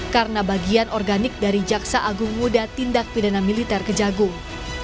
karena bagian organik dari jaksa agung muda tindak pidana militer kejagung